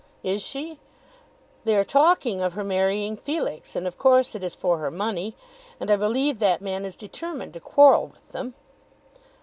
"Is she? They are talking of her marrying Felix, and of course it is for her money. And I believe that man is determined to quarrel with them."